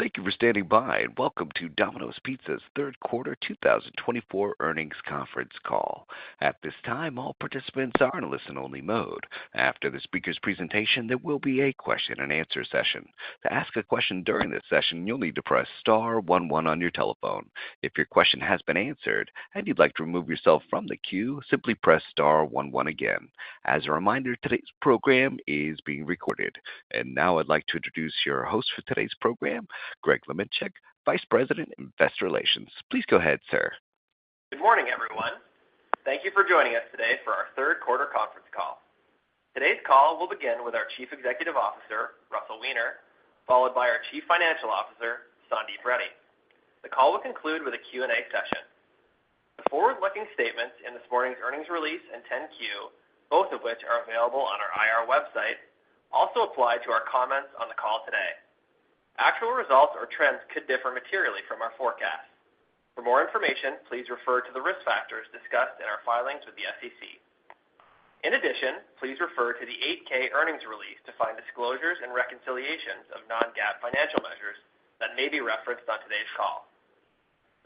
Thank you for standing by, and welcome to Domino's Pizza's third quarter 2024 earnings conference call. At this time, all participants are in a listen-only mode. After the speaker's presentation, there will be a question-and-answer session. To ask a question during this session, you'll need to press star one one on your telephone. If your question has been answered and you'd like to remove yourself from the queue, simply press star one one again. As a reminder, today's program is being recorded. And now I'd like to introduce your host for today's program, Greg Lemanowicz, Vice President, Investor Relations. Please go ahead, sir. Good morning, everyone. Thank you for joining us today for our third quarter conference call. Today's call will begin with our Chief Executive Officer, Russell Weiner, followed by our Chief Financial Officer, Sandeep Reddy. The call will conclude with a Q&A session. The forward-looking statements in this morning's earnings release and 10-Q, both of which are available on our IR website, also apply to our comments on the call today. Actual results or trends could differ materially from our forecasts. For more information, please refer to the risk factors discussed in our filings with the SEC. In addition, please refer to the 8-K earnings release to find disclosures and reconciliations of non-GAAP financial measures that may be referenced on today's call.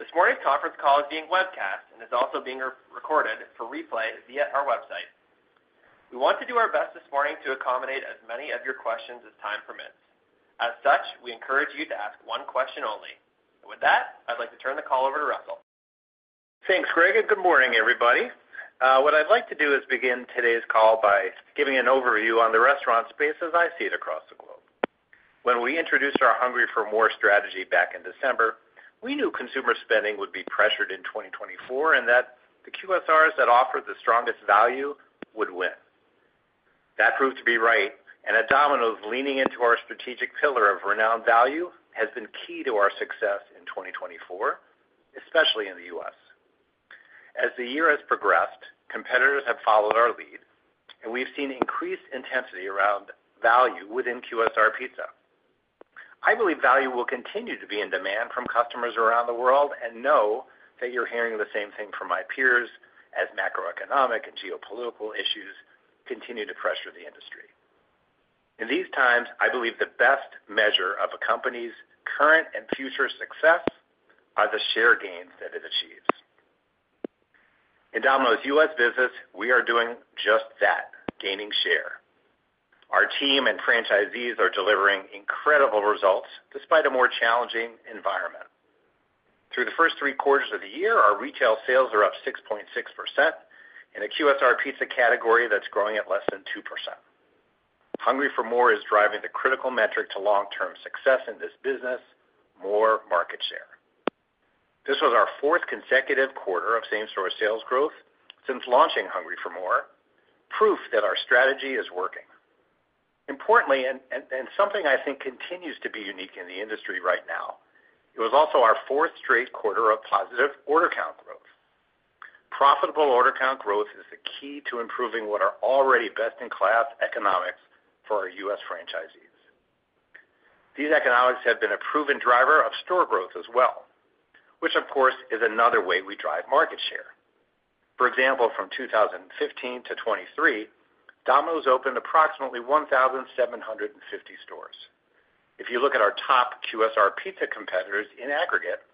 This morning's conference call is being webcast and is also being re-recorded for replay via our website. We want to do our best this morning to accommodate as many of your questions as time permits. As such, we encourage you to ask one question only. With that, I'd like to turn the call over to Russell. Thanks, Greg, and good morning, everybody. What I'd like to do is begin today's call by giving an overview on the restaurant space as I see it across the globe. When we introduced our Hungry for MORE strategy back in December, we knew consumer spending would be pressured in 2024 and that the QSRs that offered the strongest value would win. That proved to be right, and at Domino's, leaning into our strategic pillar of Renowned Value has been key to our success in 2024, especially in the US. As the year has progressed, competitors have followed our lead, and we've seen increased intensity around value within QSR pizza. I believe value will continue to be in demand from customers around the world and know that you're hearing the same thing from my peers as macroeconomic and geopolitical issues continue to pressure the industry. In these times, I believe the best measure of a company's current and future success are the share gains that it achieves. In Domino's U.S. business, we are doing just that, gaining share. Our team and franchisees are delivering incredible results despite a more challenging environment. Through the first three quarters of the year, our retail sales are up 6.6% in a QSR pizza category that's growing at less than 2%. Hungry for MORE is driving the critical metric to long-term success in this business, more market share. This was our fourth consecutive quarter of same-store sales growth since launching Hungry for MORE, proof that our strategy is working. Importantly, and something I think continues to be unique in the industry right now, it was also our fourth straight quarter of positive order count growth. Profitable order count growth is the key to improving what are already best-in-class economics for our U.S. franchisees. These economics have been a proven driver of store growth as well, which, of course, is another way we drive market share. For example, from 2015-2023, Domino's opened approximately 1,750 stores. If you look at our top QSR pizza competitors in aggregate,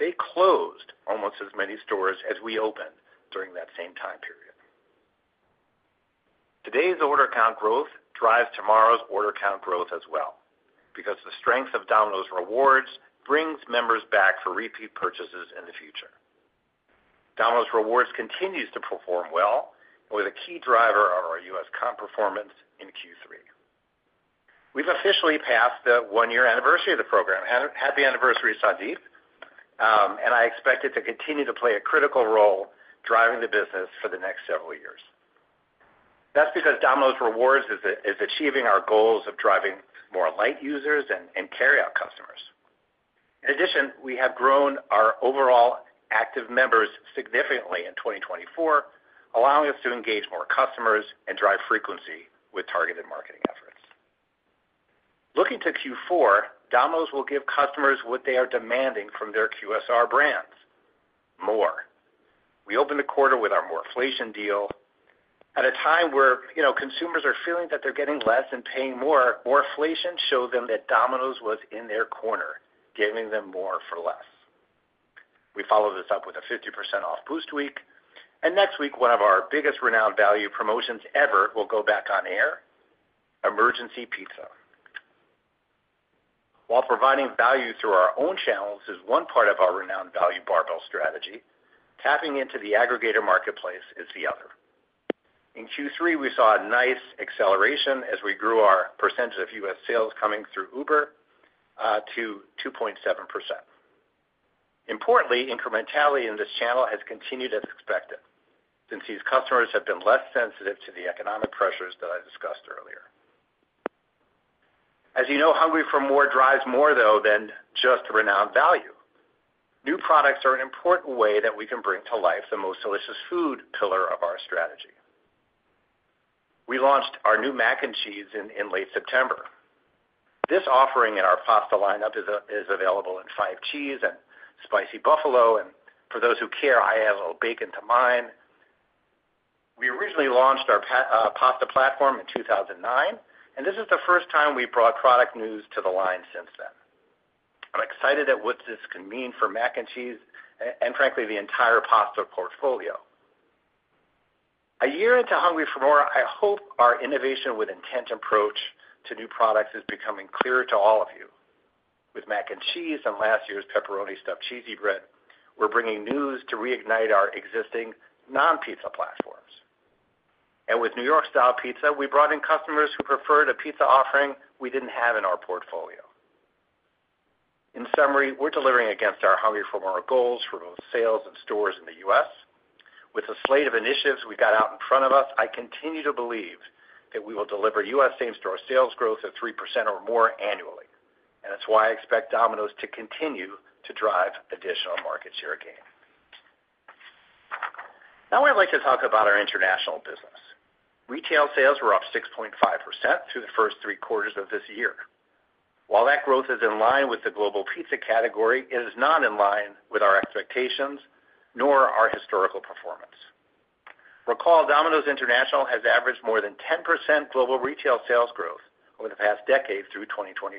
they closed almost as many stores as we opened during that same time period. Today's order count growth drives tomorrow's order count growth as well, because the strength of Domino's Rewards brings members back for repeat purchases in the future. Domino's Rewards continues to perform well and was a key driver of our U.S. comp performance in Q3. We've officially passed the one-year anniversary of the program. Happy anniversary, Sandeep, and I expect it to continue to play a critical role driving the business for the next several years. That's because Domino's Rewards is achieving our goals of driving more light users and carryout customers. In addition, we have grown our overall active members significantly in 2024, allowing us to engage more customers and drive frequency with targeted marketing efforts. Looking to Q4, Domino's will give customers what they are demanding from their QSR brands: more. We opened the quarter with our MOREflation deal. At a time where, you know, consumers are feeling that they're getting less and paying more, MOREflation showed them that Domino's was in their corner, giving them more for less. We followed this up with a 50% off Boost Week, and next week, one of our biggest Renowned Value promotions ever will go back on air, Emergency Pizza. While providing value through our own channels is one part of our Renowned Value barbell strategy, tapping into the aggregator marketplace is the other. In Q3, we saw a nice acceleration as we grew our percentage of U.S. sales coming through Uber to 2.7%. Importantly, incrementality in this channel has continued as expected, since these customers have been less sensitive to the economic pressures that I discussed earlier. As you know, Hungry for MORE drives more, though, than just Renowned Value. New products are an important way that we can bring to life the Most Delicious Food pillar of our strategy. We launched our new Mac and Cheese in late September. This offering in our pasta lineup is available in Five Cheese and Spicy Buffalo, and for those who care, I add a little bacon to mine.... We originally launched our pasta platform in 2009, and this is the first time we've brought product news to the line since then. I'm excited at what this can mean for Mac and Cheese, and frankly, the entire pasta portfolio. A year into Hungry for MORE, I hope our innovation with intent approach to new products is becoming clearer to all of you. With Mac and Cheese and last year's Pepperoni Stuffed Cheesy Bread, we're bringing news to reignite our existing non-pizza platforms, and with New York Style Pizza, we brought in customers who preferred a pizza offering we didn't have in our portfolio. In summary, we're delivering against our Hungry for MORE goals for both sales and stores in the U.S. With the slate of initiatives we've got out in front of us, I continue to believe that we will deliver US same-store sales growth of 3% or more annually, and that's why I expect Domino's to continue to drive additional market share gain. Now, I'd like to talk about our international business. Retail sales were up 6.5% through the first three quarters of this year. While that growth is in line with the global pizza category, it is not in line with our expectations, nor our historical performance. Recall, Domino's International has averaged more than 10% global retail sales growth over the past decade through 2023.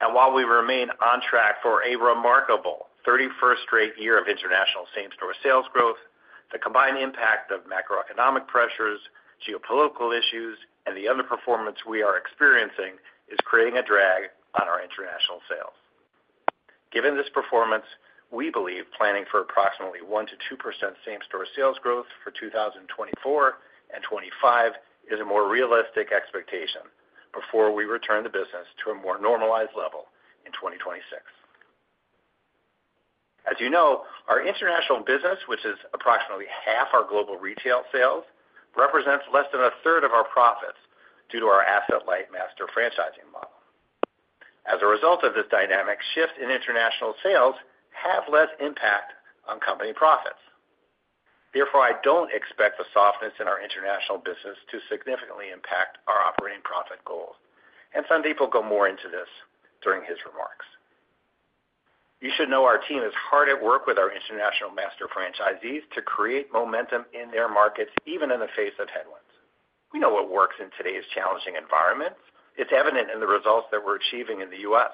And while we remain on track for a remarkable thirty-first straight year of international same-store sales growth, the combined impact of macroeconomic pressures, geopolitical issues, and the underperformance we are experiencing is creating a drag on our international sales. Given this performance, we believe planning for approximately 1%-2% same-store sales growth for 2024 and 2025 is a more realistic expectation before we return the business to a more normalized level in 2026. As you know, our international business, which is approximately half our global retail sales, represents less than a third of our profits due to our asset-light master franchising model. As a result of this dynamic, shift in international sales have less impact on company profits. Therefore, I don't expect the softness in our international business to significantly impact our operating profit goals, and Sandeep will go more into this during his remarks. You should know our team is hard at work with our international master franchisees to create momentum in their markets, even in the face of headwinds. We know what works in today's challenging environments. It's evident in the results that we're achieving in the U.S.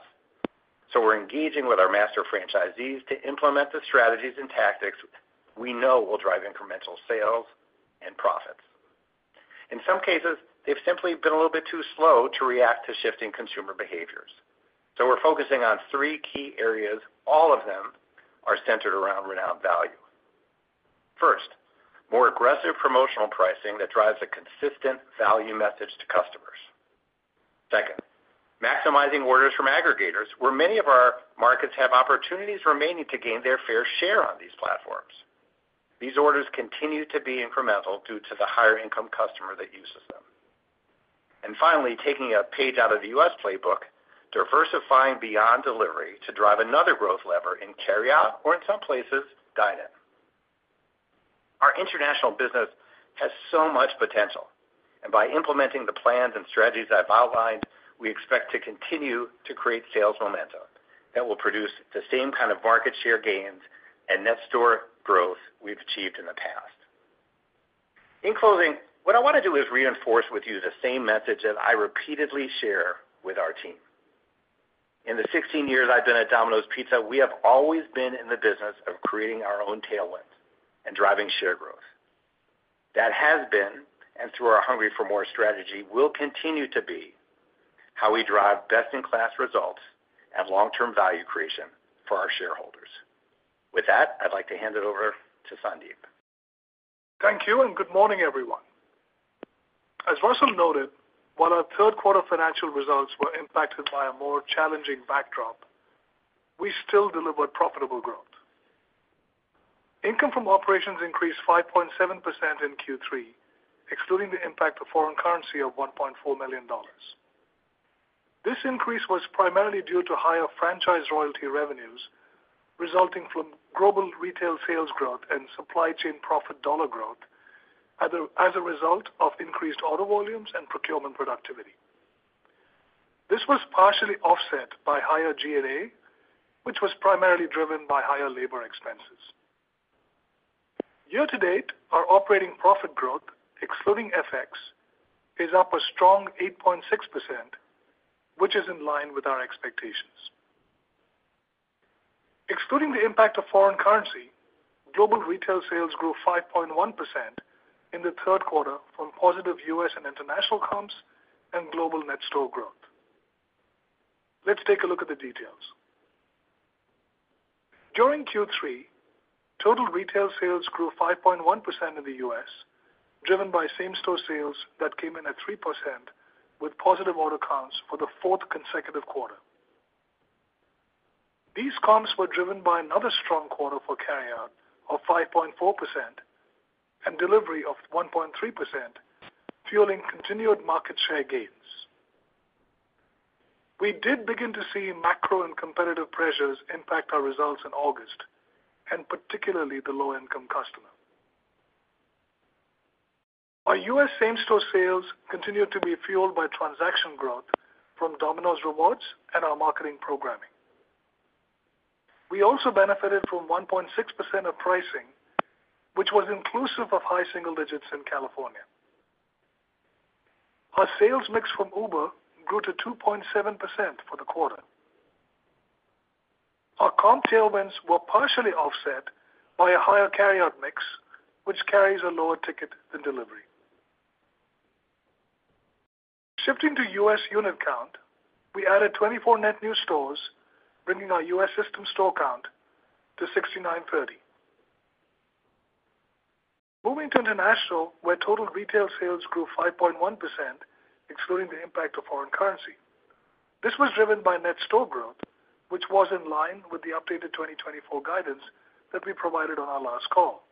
So we're engaging with our master franchisees to implement the strategies and tactics we know will drive incremental sales and profits. In some cases, they've simply been a little bit too slow to react to shifting consumer behaviors. So we're focusing on three key areas, all of them are centered around Renowned Value. First, more aggressive promotional pricing that drives a consistent value message to customers. Second, maximizing orders from aggregators, where many of our markets have opportunities remaining to gain their fair share on these platforms. These orders continue to be incremental due to the higher income customer that uses them. And finally, taking a page out of the U.S. playbook, diversifying beyond delivery to drive another growth lever in carryout or in some places, dine-in. Our international business has so much potential, and by implementing the plans and strategies I've outlined, we expect to continue to create sales momentum that will produce the same kind of market share gains and net store growth we've achieved in the past. In closing, what I wanna do is reinforce with you the same message that I repeatedly share with our team. In the 16 years I've been at Domino's Pizza, we have always been in the business of creating our own tailwinds and driving share growth. That has been, and through our Hungry for MORE strategy, will continue to be, how we drive best-in-class results and long-term value creation for our shareholders. With that, I'd like to hand it over to Sandeep. Thank you, and good morning, everyone. As Russell noted, while our third quarter financial results were impacted by a more challenging backdrop, we still delivered profitable growth. Income from operations increased 5.7% in Q3, excluding the impact of foreign currency of $1.4 million. This increase was primarily due to higher franchise royalty revenues, resulting from global retail sales growth and supply chain profit dollar growth as a result of increased order volumes and procurement productivity. This was partially offset by higher G&A, which was primarily driven by higher labor expenses. Year to date, our operating profit growth, excluding FX, is up a strong 8.6%, which is in line with our expectations. Excluding the impact of foreign currency, global retail sales grew 5.1% in the third quarter from positive U.S. and international comps and global net store growth. Let's take a look at the details. During Q3, total retail sales grew 5.1% in the U.S., driven by same-store sales that came in at 3% with positive order counts for the fourth consecutive quarter. These comps were driven by another strong quarter for carryout of 5.4% and delivery of 1.3%, fueling continued market share gains. We did begin to see macro and competitive pressures impact our results in August, and particularly the low-income customer. Our U.S. same-store sales continued to be fueled by transaction growth from Domino's Rewards and our marketing programming.... We also benefited from 1.6% of pricing, which was inclusive of high single digits in California. Our sales mix from Uber grew to 2.7% for the quarter. Our comp tailwinds were partially offset by a higher carryout mix, which carries a lower ticket than delivery. Shifting to U.S. unit count, we added 24 net new stores, bringing our U.S. system store count to 6,930. Moving to international, where total retail sales grew 5.1%, excluding the impact of foreign currency. This was driven by net store growth, which was in line with the updated 2024 guidance that we provided on our last call.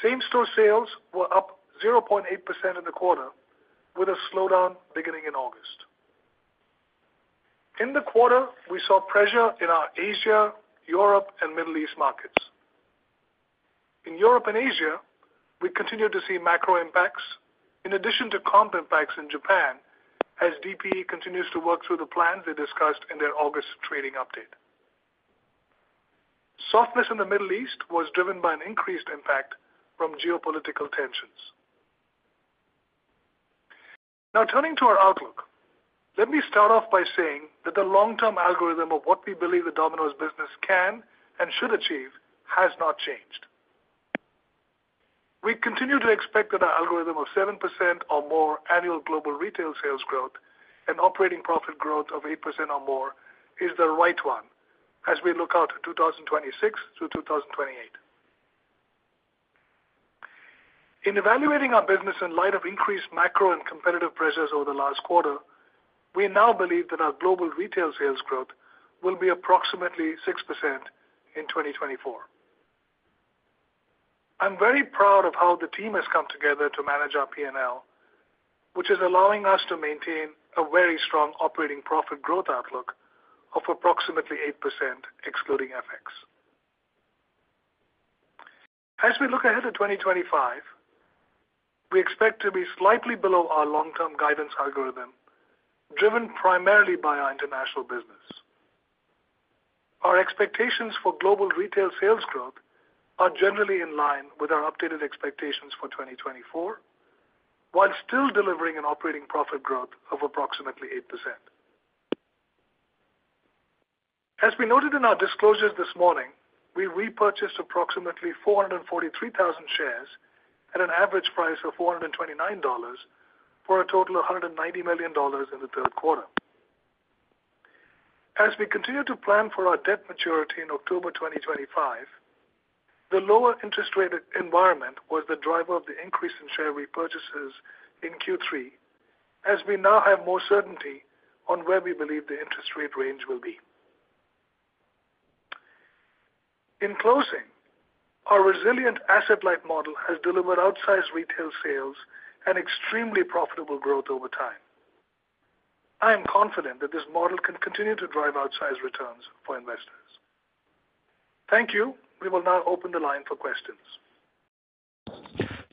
Same-store sales were up 0.8% in the quarter, with a slowdown beginning in August. In the quarter, we saw pressure in our Asia, Europe, and Middle East markets. In Europe and Asia, we continued to see macro impacts, in addition to comp impacts in Japan, as DPE continues to work through the plans they discussed in their August trading update. Softness in the Middle East was driven by an increased impact from geopolitical tensions. Now, turning to our outlook, let me start off by saying that the long-term algorithm of what we believe the Domino's business can and should achieve has not changed. We continue to expect that our algorithm of 7% or more annual global retail sales growth and operating profit growth of 8% or more is the right one as we look out to 2026 through 2028. In evaluating our business in light of increased macro and competitive pressures over the last quarter, we now believe that our global retail sales growth will be approximately 6% in 2024. I'm very proud of how the team has come together to manage our P&L, which is allowing us to maintain a very strong operating profit growth outlook of approximately 8%, excluding FX. As we look ahead to 2025, we expect to be slightly below our long-term guidance algorithm, driven primarily by our international business. Our expectations for global retail sales growth are generally in line with our updated expectations for 2024, while still delivering an operating profit growth of approximately 8%. As we noted in our disclosures this morning, we repurchased approximately 443,000 shares at an average price of $429, for a total of $190 million in the third quarter. As we continue to plan for our debt maturity in October 2025, the lower interest rate environment was the driver of the increase in share repurchases in Q3, as we now have more certainty on where we believe the interest rate range will be. In closing, our resilient asset-light model has delivered outsized retail sales and extremely profitable growth over time. I am confident that this model can continue to drive outsized returns for investors. Thank you. We will now open the line for questions.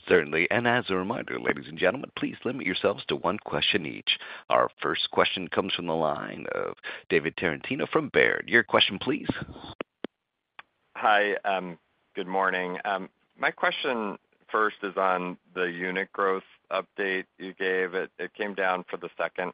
Certainly. And as a reminder, ladies and gentlemen, please limit yourselves to one question each. Our first question comes from the line of David Tarantino from Baird. Your question, please. Hi, good morning. My question first is on the unit growth update you gave. It came down for the second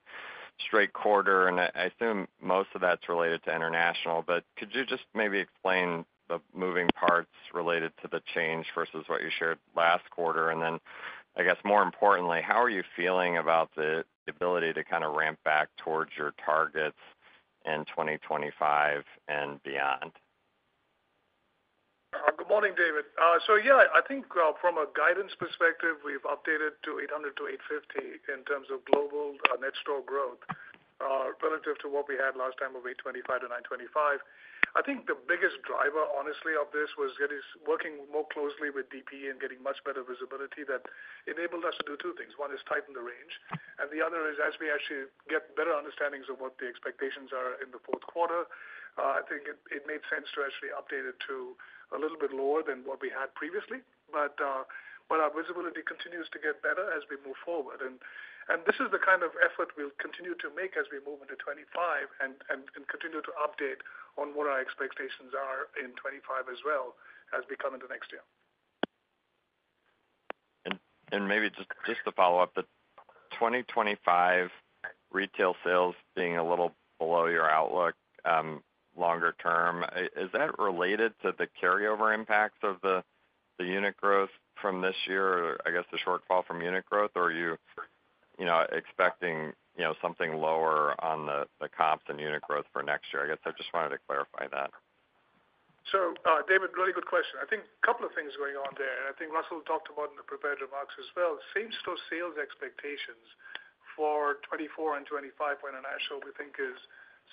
straight quarter, and I assume most of that's related to international. But could you just maybe explain the moving parts related to the change versus what you shared last quarter? And then, I guess, more importantly, how are you feeling about the ability to kind of ramp back towards your targets in 2025 and beyond? Good morning, David. So yeah, I think, from a guidance perspective, we've updated to 800-850 in terms of global net store growth, relative to what we had last time of 825-925. I think the biggest driver, honestly, of this was it is working more closely with DPE and getting much better visibility that enabled us to do two things. One is tighten the range, and the other is, as we actually get better understandings of what the expectations are in the fourth quarter, I think it made sense to actually update it to a little bit lower than what we had previously. But our visibility continues to get better as we move forward. This is the kind of effort we'll continue to make as we move into 2025 and continue to update on what our expectations are in 2025 as well as we come into next year. Maybe just to follow up, the 2025 retail sales being a little below your outlook longer term, is that related to the carryover impacts of the unit growth from this year, or I guess the shortfall from unit growth? Or are you, you know, expecting, you know, something lower on the comps and unit growth for next year? I guess I just wanted to clarify that. David, really good question. I think a couple of things going on there, and I think Russell talked about in the prepared remarks as well. Same-store sales expectations for 2024 and 2025 for international, we think, is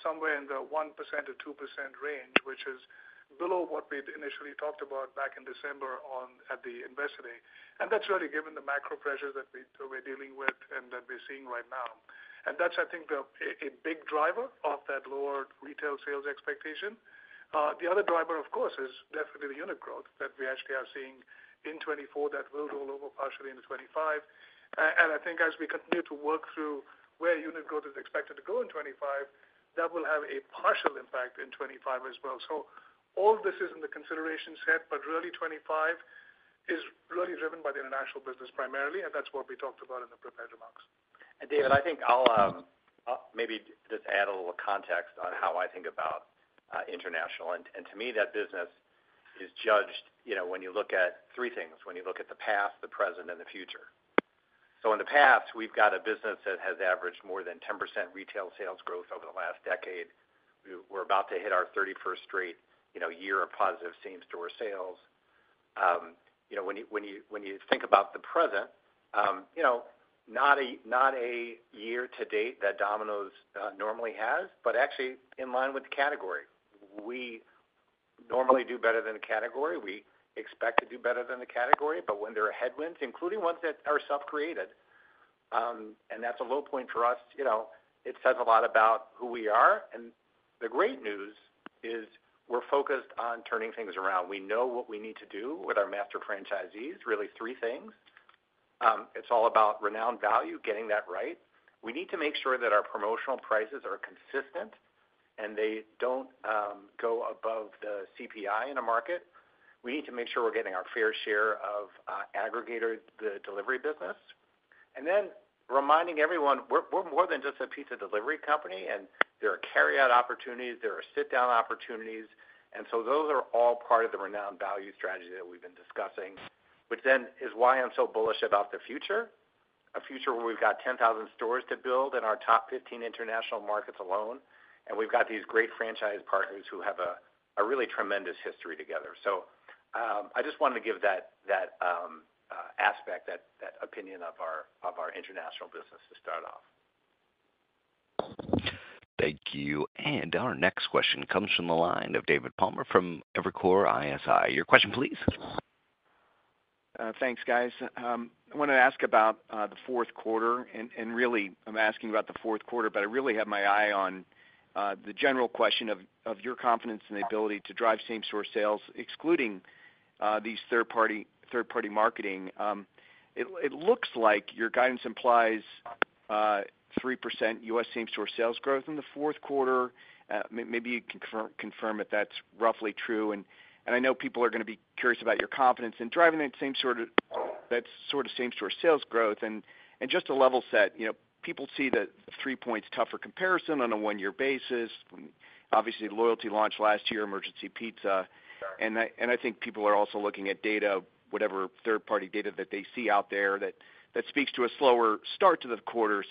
somewhere in the 1%-2% range, which is below what we'd initially talked about back in December at the Investor Day. And that's really given the macro pressures that we're dealing with and that we're seeing right now. And that's, I think, a big driver of that lower retail sales expectation. The other driver, of course, is definitely the unit growth that we actually are seeing in 2024 that will roll over partially into 2025. I think as we continue to work through where unit growth is expected to go in 2025, that will have a partial impact in 2025 as well. So all this is in the consideration set, but really 2025 is really driven by the international business primarily, and that's what we talked about in the prepared remarks. And David, I think I'll maybe just add a little context on how I think about international. And to me, that business is judged, you know, when you look at three things: the past, the present, and the future. So in the past, we've got a business that has averaged more than 10% retail sales growth over the last decade. We're about to hit our 31st straight, you know, year of positive same-store sales. You know, when you think about the present, you know, not a year to date that Domino's normally has, but actually in line with the category. We normally do better than the category. We expect to do better than the category, but when there are headwinds, including ones that are self-created, and that's a low point for us, you know, it says a lot about who we are. And the great news is we're focused on turning things around. We know what we need to do with our master franchisees, really three things. It's all about reigniting value, getting that right. We need to make sure that our promotional prices are consistent and they don't go above the CPI in a market. We need to make sure we're getting our fair share of the aggregator delivery business. And then reminding everyone, we're more than just a pizza delivery company, and there are carryout opportunities, there are sit-down opportunities. And so those are all part of the Renowned Value strategy that we've been discussing, which then is why I'm so bullish about the future, a future where we've got 10,000 stores to build in our top 15 international markets alone, and we've got these great franchise partners who have a really tremendous history together. So, I just wanted to give that aspect, that opinion of our international business to start off. Thank you. And our next question comes from the line of David Palmer from Evercore ISI. Your question, please. Thanks, guys. I wanted to ask about the fourth quarter, and really I'm asking about the fourth quarter, but I really have my eye on the general question of your confidence in the ability to drive same-store sales, excluding these third-party marketing. It looks like your guidance implies 3% U.S. same-store sales growth in the fourth quarter. Maybe you can confirm if that's roughly true. I know people are gonna be curious about your confidence in driving that sort of same-store sales growth. Just to level set, you know, people see the three points tougher comparison on a one-year basis. Obviously, loyalty launched last year, Emergency Pizza. I think people are also looking at data, whatever third-party data that they see out there, that speaks to a slower start to the quarter.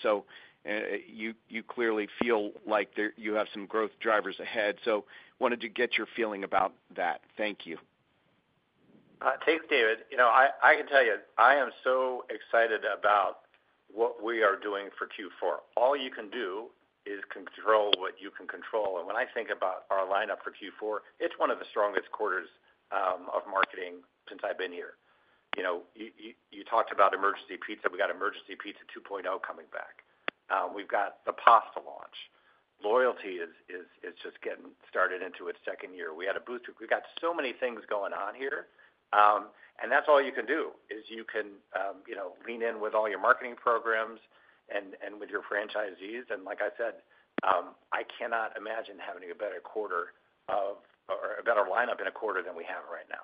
You clearly feel like there you have some growth drivers ahead. Wanted to get your feeling about that. Thank you. Thanks, David. You know, I can tell you, I am so excited about what we are doing for Q4. All you can do is control what you can control. And when I think about our lineup for Q4, it's one of the strongest quarters of marketing since I've been here. You know, you talked about Emergency Pizza. We got Emergency Pizza 2.0 coming back. We've got the pasta launch. Loyalty is just getting started into its second year. We've got so many things going on here, and that's all you can do, is you can, you know, lean in with all your marketing programs and with your franchisees. And like I said, I cannot imagine having a better quarter of, or a better lineup in a quarter than we have right now.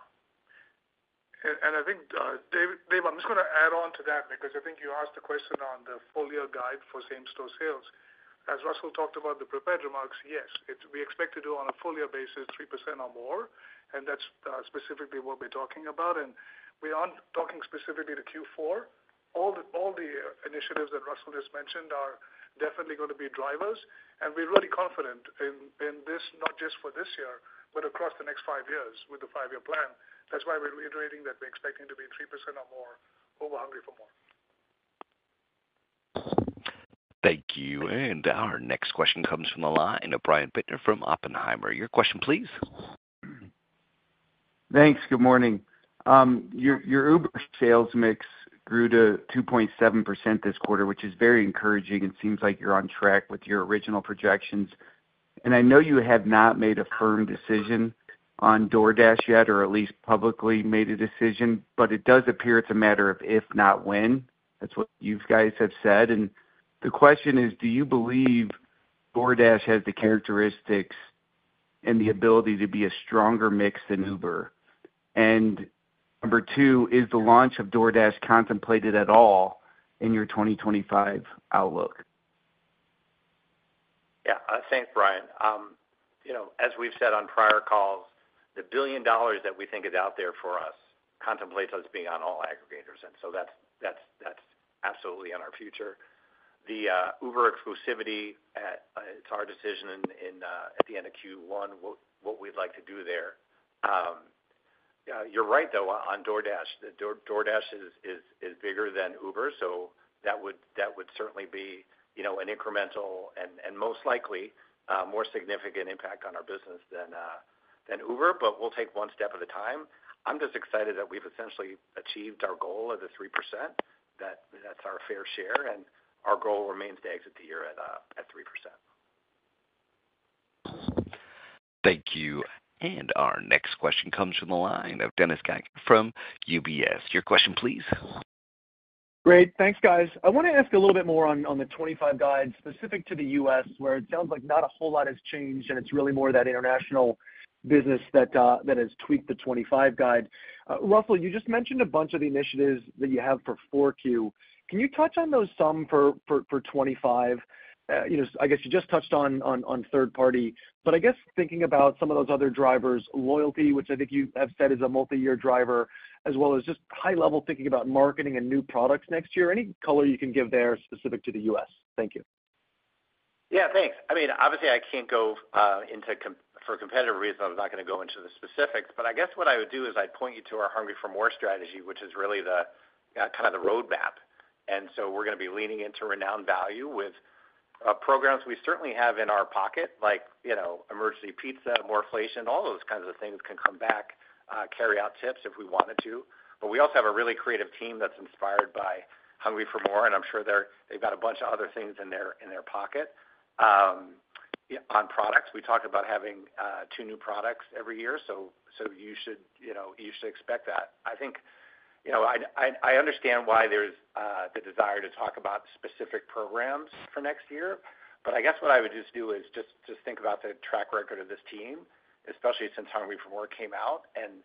And I think, David, I'm just gonna add on to that because I think you asked a question on the full-year guide for same-store sales. As Russell talked about in the prepared remarks, yes, we expect to do on a full-year basis, 3% or more, and that's specifically what we're talking about, and we aren't talking specifically to Q4. All the initiatives that Russell just mentioned are definitely gonna be drivers, and we're really confident in this, not just for this year, but across the next five years with the five-year plan. That's why we're reiterating that we're expecting to be 3% or more over Hungry for MORE. Thank you. And our next question comes from the line of Brian Bittner from Oppenheimer. Your question, please. Thanks. Good morning. Your Uber sales mix grew to 2.7% this quarter, which is very encouraging, and it seems like you're on track with your original projections. I know you have not made a firm decision on DoorDash yet, or at least publicly made a decision, but it does appear it's a matter of if, not when. That's what you guys have said. The question is: Do you believe DoorDash has the characteristics and the ability to be a stronger mix than Uber? Number two, is the launch of DoorDash contemplated at all in your 2025 outlook? Yeah. Thanks, Brian. You know, as we've said on prior calls, the $1 billion that we think is out there for us contemplates us being on all aggregators, and so that's absolutely in our future. The Uber exclusivity, it's our decision at the end of Q1, what we'd like to do there. You're right, though, on DoorDash. DoorDash is bigger than Uber, so that would certainly be, you know, an incremental and most likely more significant impact on our business than Uber, but we'll take one step at a time. I'm just excited that we've essentially achieved our goal of the 3%. That's our fair share, and our goal remains to exit the year at 3%. Thank you. And our next question comes from the line of Dennis Geiger from UBS. Your question, please? Great. Thanks, guys. I want to ask a little bit more on the 25 guide specific to the U.S., where it sounds like not a whole lot has changed, and it's really more of that international business that has tweaked the 25 guide. Russell, you just mentioned a bunch of the initiatives that you have for Q4. Can you touch on those some for 25? You know, I guess you just touched on third party, but I guess thinking about some of those other drivers, loyalty, which I think you have said is a multi-year driver, as well as just high level thinking about marketing and new products next year. Any color you can give there specific to the U.S.? Thank you. Yeah, thanks. I mean, obviously, I can't go into for competitive reasons. I'm not going to go into the specifics, but I guess what I would do is I'd point you to our Hungry for MORE strategy, which is really the kind of roadmap. And so we're going to be leaning into value with programs we certainly have in our pocket, like, you know, Emergency Pizza, MOREflation, all those kinds of things can come back, Carryout Tips if we wanted to. But we also have a really creative team that's inspired by Hungry for MORE, and I'm sure they've got a bunch of other things in their pocket. Yeah, on products, we talk about having two new products every year. So you should, you know, you should expect that. I think, you know, I understand why there's the desire to talk about specific programs for next year, but I guess what I would just do is just think about the track record of this team, especially since Hungry for MORE came out, and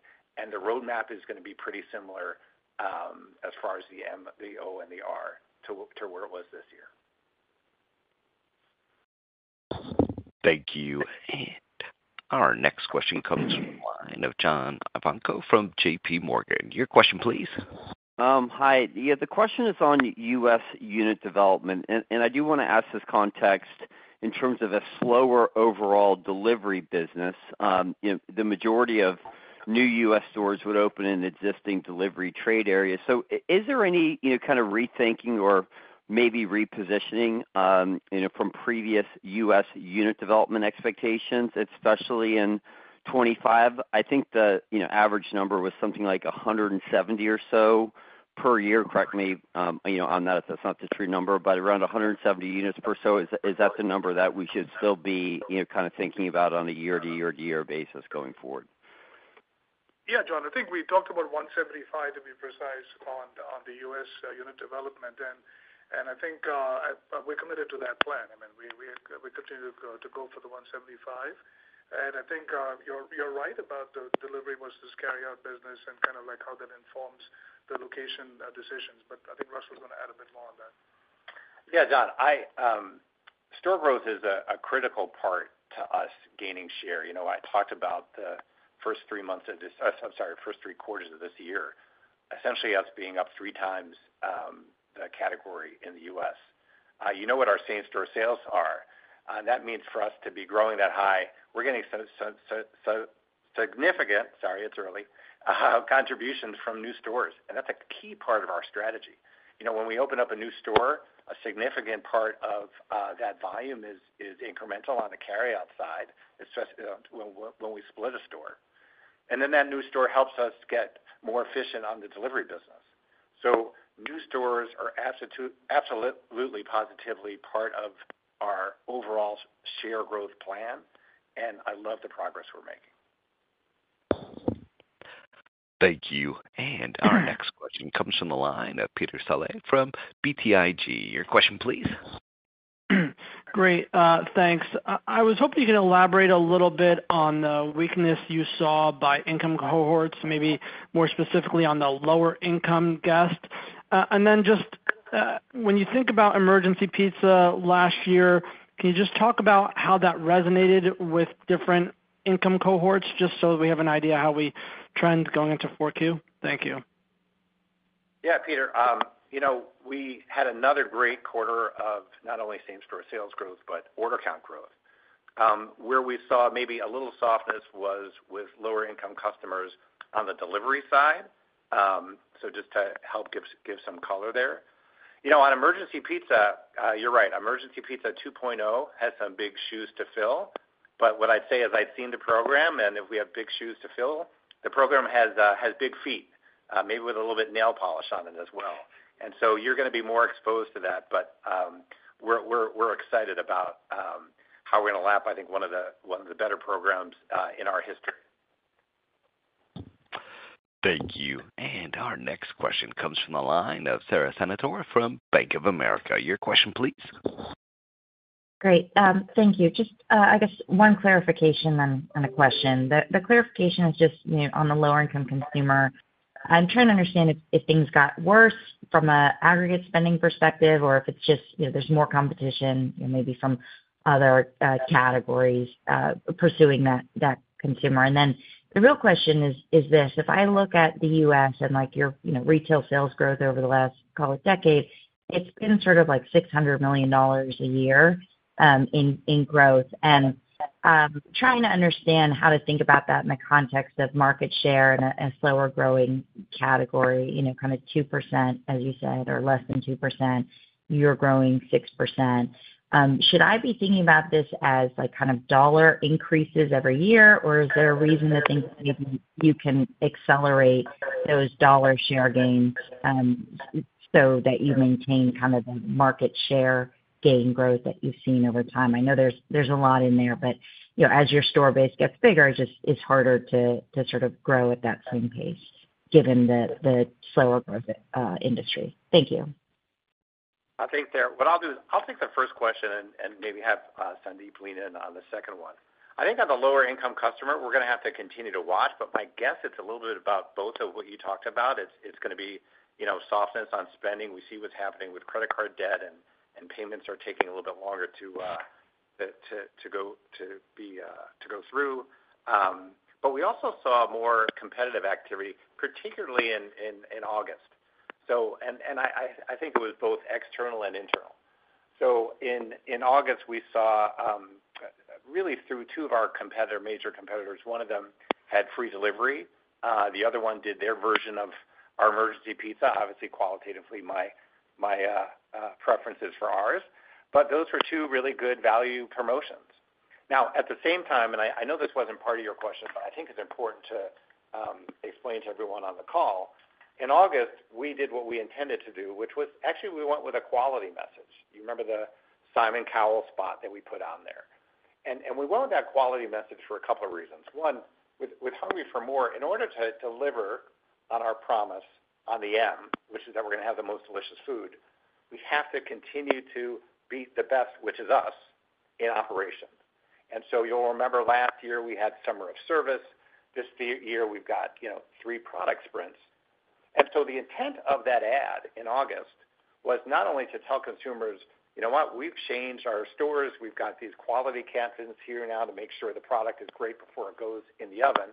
the roadmap is going to be pretty similar, as far as the M, the O, and the R to where it was this year. Thank you. And our next question comes from the line of John Ivanko from JP Morgan. Your question, please. Hi. Yeah, the question is on U.S. unit development, and I do want to ask this in context in terms of a slower overall delivery business. You know, the majority of new U.S. stores would open in existing delivery trade areas. So is there any, you know, kind of rethinking or maybe repositioning, you know, from previous U.S. unit development expectations, especially in 2025? I think the, you know, average number was something like 170 or so per year. Correct me, you know, on that if that's not the true number, but around 170 units or so, is that the number that we should still be, you know, kind of thinking about on a year-to-year basis going forward? Yeah, John, I think we talked about 175, to be precise, on the U.S. unit development. And I think we're committed to that plan. I mean, we continue to go for the 175. And I think you're right about the delivery versus carryout business and kind of like how that informs the location decisions. But I think Russell is going to add a bit more on that. Yeah, John, I store growth is a, a critical part to us gaining share. You know, I talked about the first three months of this, I'm sorry, first three quarters of this year, essentially us being up three times the category in the US. You know what our same-store sales are. That means for us to be growing that high, we're getting so significant, sorry, it's early, contributions from new stores, and that's a key part of our strategy. You know, when we open up a new store, a significant part of that volume is incremental on the carryout side, especially when we split a store. And then that new store helps us get more efficient on the delivery business. New stores are absolutely, positively part of our overall share growth plan, and I love the progress we're making. Thank you. And our next question comes from the line of Peter Saleh from BTIG. Your question, please. Great, thanks. I was hoping you could elaborate a little bit on the weakness you saw by income cohorts, maybe more specifically on the lower income guests. And then just, when you think about Emergency Pizza last year, can you just talk about how that resonated with different income cohorts, just so we have an idea how we trend going into 4Q? Thank you. Yeah, Peter. You know, we had another great quarter of not only same-store sales growth, but order count growth. Where we saw maybe a little softness was with lower income customers on the delivery side, so just to help give some color there. You know, on Emergency Pizza, you're right, Emergency Pizza 2.0 has some big shoes to fill. But what I'd say is I've seen the program, and if we have big shoes to fill, the program has big feet, maybe with a little bit nail polish on it as well. And so you're going to be more exposed to that, but we're excited about how we're going to lap, I think one of the better programs in our history. Thank you. And our next question comes from the line of Sara Senatore from Bank of America. Your question, please. Great. Thank you. Just, I guess one clarification, then, and a question. The clarification is just, you know, on the lower income consumer. I'm trying to understand if things got worse from an aggregate spending perspective or if it's just, you know, there's more competition and maybe some other categories pursuing that consumer. And then the real question is this: If I look at the U.S. and like your, you know, retail sales growth over the last, call it decade, it's been sort of like $600 million a year in growth. And trying to understand how to think about that in the context of market share and a slower growing category, you know, kind of 2%, as you said, or less than 2%, you're growing 6%. Should I be thinking about this as, like, kind of dollar increases every year, or is there a reason to think maybe you can accelerate those dollar share gains, so that you maintain kind of the market share gain growth that you've seen over time? I know there's a lot in there, but, you know, as your store base gets bigger, it just is harder to sort of grow at that same pace.... given the slower growth industry. Thank you. I think there, what I'll do is I'll take the first question and maybe have Sandeep lean in on the second one. I think on the lower income customer, we're gonna have to continue to watch, but my guess is it's a little bit about both of what you talked about. It's gonna be, you know, softness on spending. We see what's happening with credit card debt, and payments are taking a little bit longer to go through. But we also saw more competitive activity, particularly in August. So and I think it was both external and internal. So in August, we saw really through two of our major competitors. One of them had free delivery, the other one did their version of our Emergency Pizza. Obviously, qualitatively, my preference is for ours. But those were two really good value promotions. Now, at the same time, and I know this wasn't part of your question, but I think it's important to explain to everyone on the call. In August, we did what we intended to do, which was actually we went with a quality message. You remember the Simon Cowell spot that we put on there. And we went with that quality message for a couple of reasons. One, with Hungry for MORE, in order to deliver on our promise on the M, which is that we're gonna have the Most Delicious Food, we have to continue to be the best, which is us, in operation. And so you'll remember last year, we had Summer of Service. This year, we've got, you know, three product sprints. And so the intent of that ad in August was not only to tell consumers, "You know what? We've changed our stores. We've got these Quality Captains here now to make sure the product is great before it goes in the oven."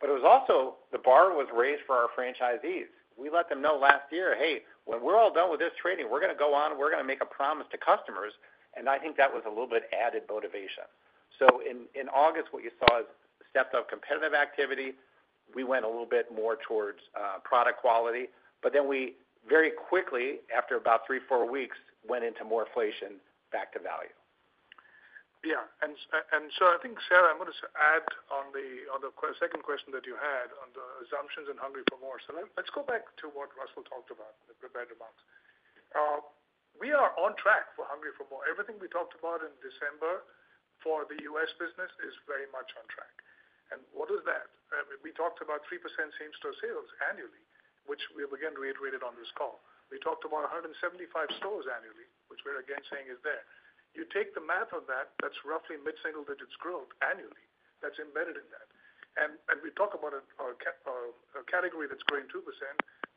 But it was also, the bar was raised for our franchisees. We let them know last year, "Hey, when we're all done with this training, we're gonna go on and we're gonna make a promise to customers," and I think that was a little bit added motivation. So in August, what you saw is stepped up competitive activity. We went a little bit more towards product quality, but then we very quickly, after about three, four weeks, went into more inflation back to value. Yeah, and so I think, Sara, I'm gonna add on the second question that you had on the assumptions in Hungry for MORE. So let's go back to what Russell talked about in the prepared remarks. We are on track for Hungry for MORE. Everything we talked about in December for the US business is very much on track. And what is that? We talked about 3% same-store sales annually, which we have again reiterated on this call. We talked about 175 stores annually, which we're again saying is there. You take the math on that, that's roughly mid-single digits growth annually. That's embedded in that. And we talk about our category that's growing 2%,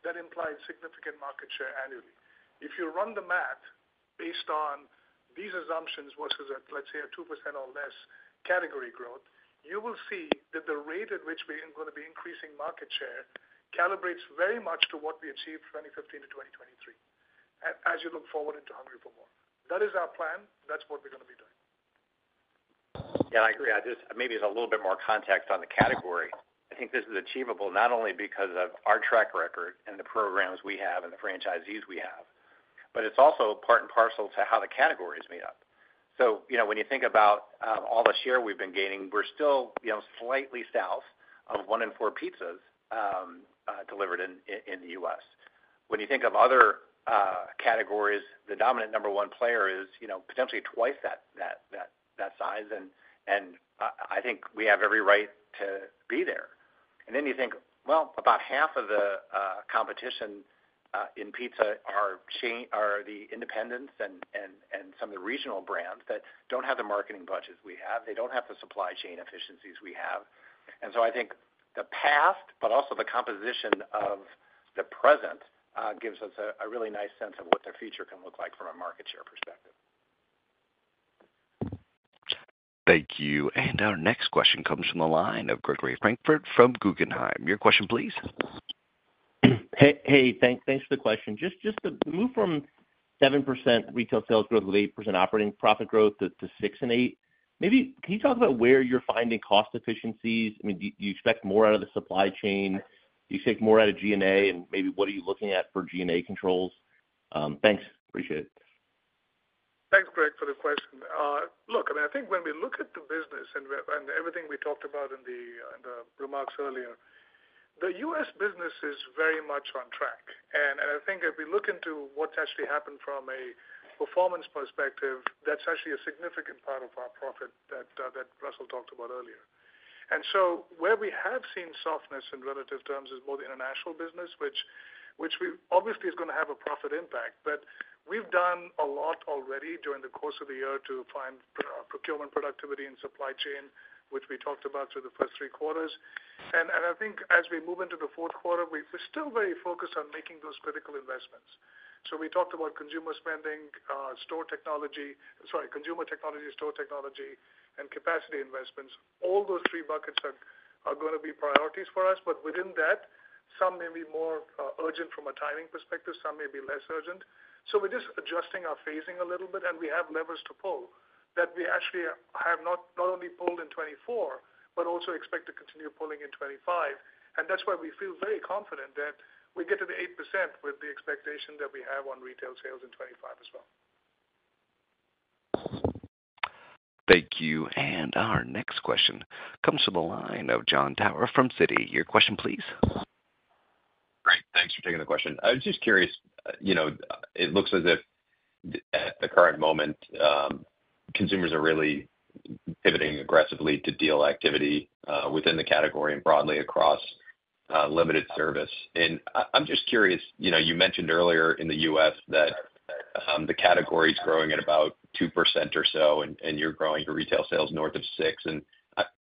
that implies significant market share annually. If you run the math based on these assumptions versus, let's say, a 2% or less category growth, you will see that the rate at which we are gonna be increasing market share calibrates very much to what we achieved in 2015-2023, as you look forward into Hungry for MORE. That is our plan. That's what we're gonna be doing. Yeah, I agree. I just... Maybe it's a little bit more context on the category. I think this is achievable not only because of our track record and the programs we have and the franchisees we have, but it's also part and parcel to how the category is made up. So, you know, when you think about, all the share we've been gaining, we're still, you know, slightly south of one in four pizzas, delivered in, in the US. When you think of other, categories, the dominant number one player is, you know, potentially twice that, size, and, I think we have every right to be there. And then you think, well, about half of the competition in pizza are the independents and some of the regional brands that don't have the marketing budgets we have. They don't have the supply chain efficiencies we have. And so I think the past, but also the composition of the present gives us a really nice sense of what the future can look like from a market share perspective. Thank you. And our next question comes from the line of Gregory Francfort from Guggenheim. Your question, please. Hey, thanks for the question. Just the move from 7% retail sales growth to 8% operating profit growth to 6% and 8%, maybe can you talk about where you're finding cost efficiencies? I mean, do you expect more out of the supply chain? Do you take more out of G&A, and maybe what are you looking at for G&A controls? Thanks. Appreciate it. Thanks, Greg, for the question. Look, I mean, I think when we look at the business and everything we talked about in the remarks earlier, the U.S. business is very much on track. And I think if we look into what's actually happened from a performance perspective, that's actually a significant part of our profit that Russell talked about earlier. And so where we have seen softness in relative terms is more the international business, which obviously is gonna have a profit impact. But we've done a lot already during the course of the year to find procurement, productivity, and supply chain, which we talked about through the first three quarters. And I think as we move into the fourth quarter, we're still very focused on making those critical investments. So we talked about consumer spending, store technology. Sorry, consumer technology, store technology, and capacity investments. All those three buckets are gonna be priorities for us, but within that, some may be more urgent from a timing perspective, some may be less urgent. So we're just adjusting our phasing a little bit, and we have levers to pull that we actually have not only pulled in 2024, but also expect to continue pulling in 2025. And that's why we feel very confident that we get to the 8% with the expectation that we have on retail sales in 2025 as well. Thank you. And our next question comes from the line of Jon Tower from Citi. Your question, please. Thanks for taking the question. I was just curious, you know, it looks as if at the current moment, consumers are really pivoting aggressively to deal activity within the category and broadly across limited service. And I, I'm just curious, you know, you mentioned earlier in the U.S. that the category is growing at about 2% or so, and you're growing your retail sales north of 6%. And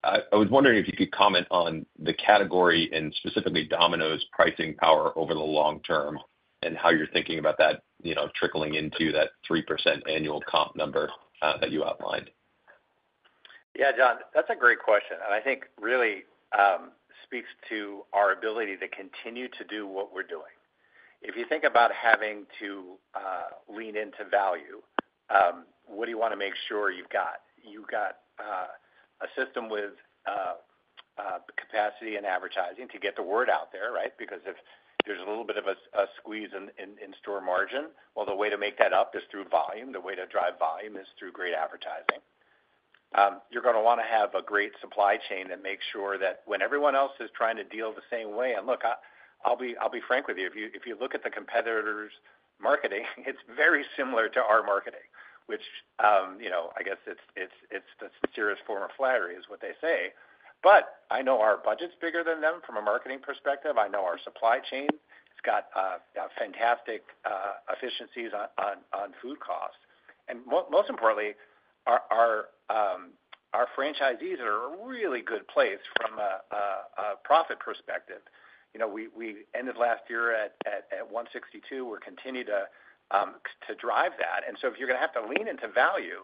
I, I was wondering if you could comment on the category and specifically Domino's pricing power over the long term, and how you're thinking about that, you know, trickling into that 3% annual comp number that you outlined. Yeah, Jon, that's a great question, and I think really speaks to our ability to continue to do what we're doing. If you think about having to lean into value, what do you want to make sure you've got? You've got a system with the capacity and advertising to get the word out there, right? Because if there's a little bit of a squeeze in store margin, well, the way to make that up is through volume. The way to drive volume is through great advertising. You're gonna wanna have a great supply chain that makes sure that when everyone else is trying to deal the same way... And look, I, I'll be frank with you. If you look at the competitors' marketing, it's very similar to our marketing, which, you know, I guess it's the sincerest form of flattery, is what they say. But I know our budget's bigger than them from a marketing perspective. I know our supply chain has got fantastic efficiencies on food costs. And most importantly, our franchisees are in a really good place from a profit perspective. You know, we ended last year at 162. We're continuing to drive that. And so if you're gonna have to lean into value,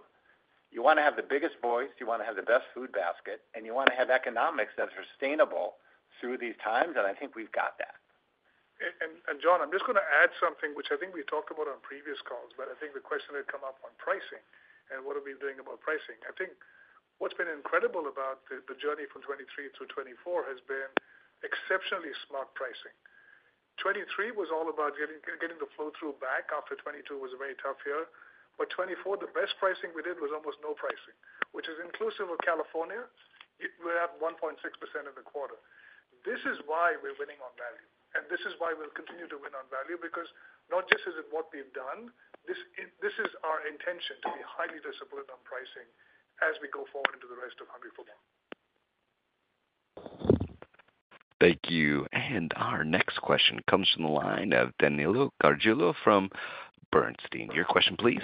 you wanna have the biggest voice, you wanna have the best food basket, and you wanna have economics that are sustainable through these times, and I think we've got that. John, I'm just gonna add something which I think we talked about on previous calls, but I think the question had come up on pricing and what are we doing about pricing. I think what's been incredible about the journey from 2023 to 2024 has been exceptionally smart pricing. 2023 was all about getting the flow-through back after 2022 was a very tough year. But 2024, the best pricing we did was almost no pricing, which is inclusive of California. It. We're at 1.6% of the quarter. This is why we're winning on value, and this is why we'll continue to win on value, because not just is it what we've done, this is our intention to be highly disciplined on pricing as we go forward into the rest of 2024 Q1. Thank you. And our next question comes from the line of Danilo Gargiulo from Bernstein. Your question, please.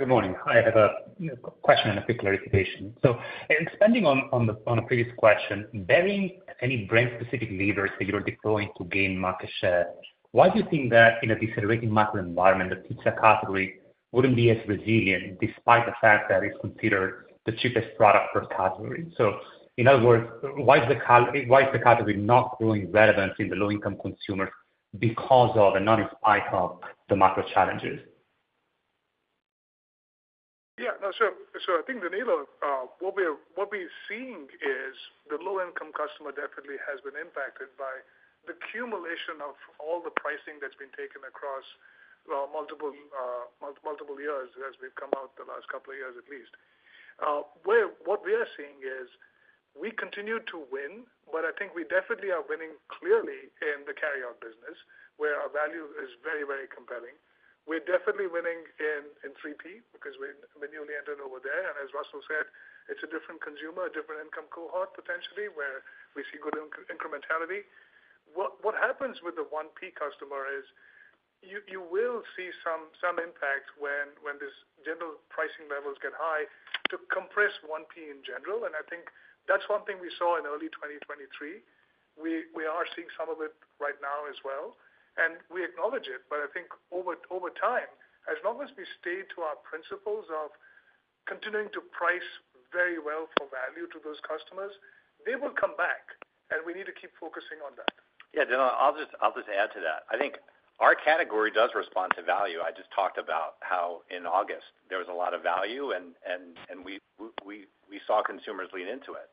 Good morning. I have a, you know, question and a quick clarification. So expanding on a previous question, barring any brand specific levers that you're deploying to gain market share, why do you think that in a decelerating market environment, the pizza category wouldn't be as resilient, despite the fact that it's considered the cheapest product per category? So in other words, why is the category not growing relevance in the low-income consumer because of, and not despite of, the macro challenges? Yeah. No, so I think, Danilo, what we're seeing is the low-income customer definitely has been impacted by the accumulation of all the pricing that's been taken across, well, multiple years as we've come out the last couple of years at least. What we are seeing is we continue to win, but I think we definitely are winning clearly in the carryout business, where our value is very, very compelling. We're definitely winning in 3P, because we've newly entered over there, and as Russell said, it's a different consumer, a different income cohort, potentially, where we see good incrementality. What happens with the 1P customer is you will see some impact when these general pricing levels get high to compress 1P in general, and I think that's one thing we saw in early 2023. We are seeing some of it right now as well, and we acknowledge it. But I think over time, as long as we stay to our principles of continuing to price very well for value to those customers, they will come back, and we need to keep focusing on that. Yeah, Danilo, I'll just add to that. I think our category does respond to value. I just talked about how in August there was a lot of value, and we saw consumers lean into it.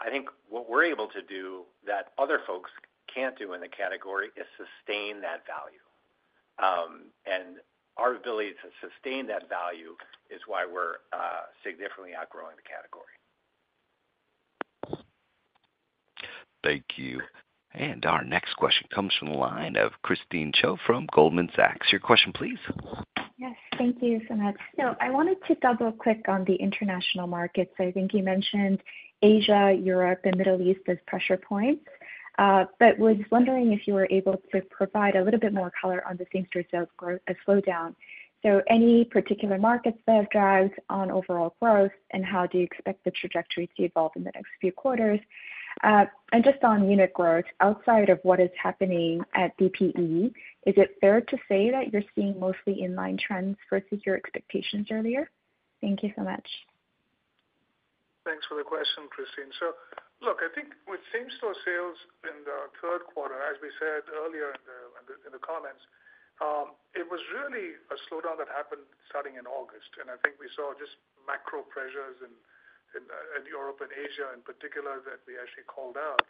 I think what we're able to do that other folks can't do in the category is sustain that value. And our ability to sustain that value is why we're significantly outgrowing the category. Thank you. And our next question comes from the line of Christine Cho from Goldman Sachs. Your question, please. Yes, thank you so much. So I wanted to double-click on the international markets. I think you mentioned Asia, Europe, and Middle East as pressure points, but was wondering if you were able to provide a little bit more color on the same-store sales growth slowdown. So any particular markets that have dragged on overall growth, and how do you expect the trajectory to evolve in the next few quarters? And just on unit growth, outside of what is happening at DPE, is it fair to say that you're seeing mostly in-line trends versus your expectations earlier? Thank you so much. Thanks for the question, Christine. So look, I think with same-store sales in the third quarter, as we said earlier in the comments, it was really a slowdown that happened starting in August. And I think we saw just macro pressures in Europe and Asia in particular that we actually called out.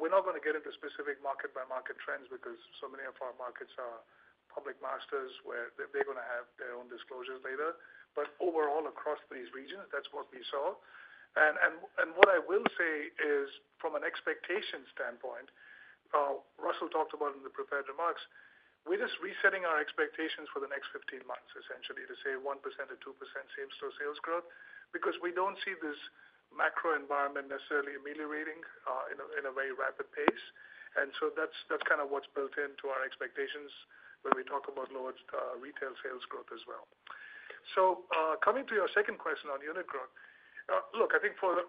We're not gonna get into specific market by market trends because so many of our markets are public masters, where they're gonna have their own disclosures later. But overall, across these regions, that's what we saw. And what I will say is, from an expectation standpoint-... Russell talked about in the prepared remarks, we're just resetting our expectations for the next fifteen months, essentially, to say 1% or 2% same-store sales growth, because we don't see this macro environment necessarily ameliorating in a very rapid pace. And so that's, that's kind of what's built into our expectations when we talk about lowered retail sales growth as well. So, coming to your second question on unit growth. Look, I think for the,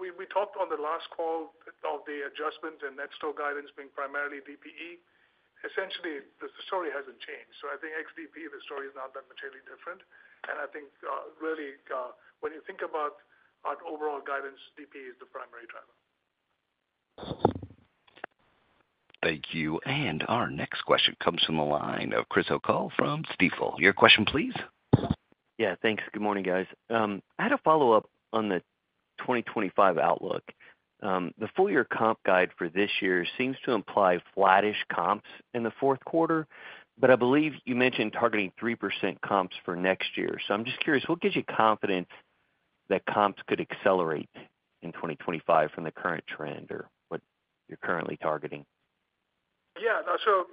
we talked on the last call of the adjustment and net store guidance being primarily DPE. Essentially, the story hasn't changed. So I think ex DPE, the story is not that materially different, and I think, really, when you think about our overall guidance, DPE is the primary driver. Thank you. And our next question comes from the line of Chris O'Cull from Stifel. Your question, please. Yeah, thanks. Good morning, guys. I had a follow-up on the 2025 outlook. The full year comp guide for this year seems to imply flattish comps in the fourth quarter, but I believe you mentioned targeting 3% comps for next year. So I'm just curious, what gives you confidence that comps could accelerate in 2025 from the current trend or what you're currently targeting? Yeah, so,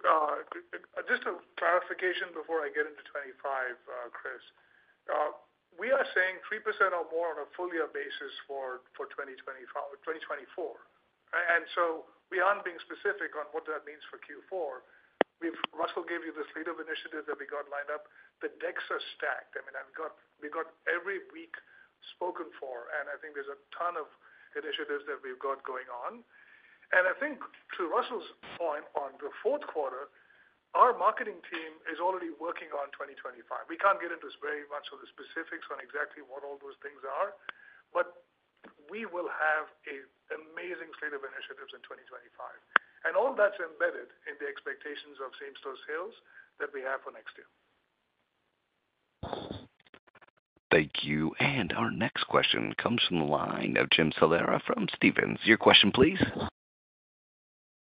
just a clarification before I get into 2025, Chris. We are saying 3% or more on a full year basis for 2025 to 2024. And so we aren't being specific on what that means for Q4. We've—Russell gave you the suite of initiatives that we got lined up. The decks are stacked. I mean, I've got—we've got every week spoken for, and I think there's a ton of initiatives that we've got going on. And I think to Russell's point on the fourth quarter, our marketing team is already working on 2025. We can't get into this very much of the specifics on exactly what all those things are, but we will have an amazing slate of initiatives in 2025, and all that's embedded in the expectations of same-store sales that we have for next year. Thank you. And our next question comes from the line of Jim Salera from Stephens. Your question, please.